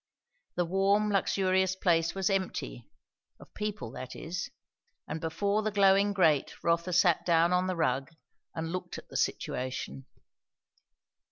The warm, luxurious place was empty, of people, that is; and before the glowing grate Rotha sat down on the rug and looked at the situation.